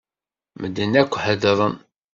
Medden akk heddṛen.